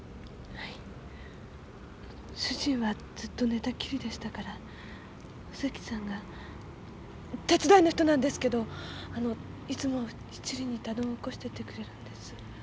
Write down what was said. はい主人はずっと寝たきりでしたからおせきさんが手伝いの人なんですけどあのいつも七輪にタドンをおこしてってくれるんです。